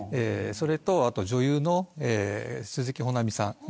それと女優の鈴木保奈美さん。